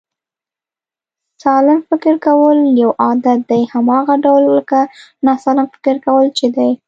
سالم فکر کول یو عادت دی، هماغه ډول لکه ناسلم فکر کول چې دی